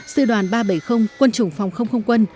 sư đoàn ba trăm bảy mươi quân chủng phòng không không quân